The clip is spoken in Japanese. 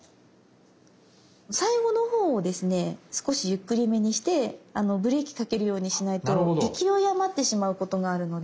最後の方をですね少しゆっくりめにしてブレーキかけるようにしないと勢いあまってしまうことがあるので。